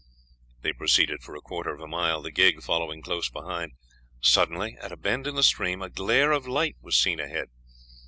They proceeded for a quarter of a mile, the gig following close behind. Suddenly, at a bend in the stream, a glare of light was seen ahead.